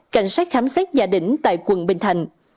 cảnh sát khám xét gia đỉnh tại quận bình thạnh